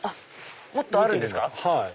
もっとあるんですか？